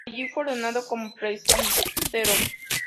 Allí fue ordenado como presbítero.